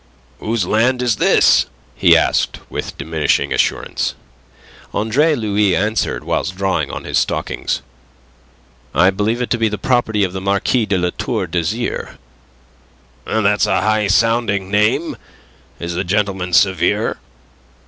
"Whose land is this?" he asked, with diminishing assurance. Andre Louis answered, whilst drawing on his stockings. "I believe it to be the property of the Marquis de La Tour d'Azyr." "That's a high sounding name. Is the gentleman severe?"